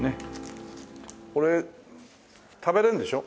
これ食べれるんでしょ？